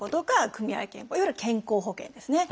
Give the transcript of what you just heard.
いわゆる健康保険ですね。